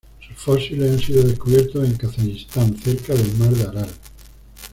Sus fósiles han sido descubiertos en Kazajistán cerca del Mar de Aral.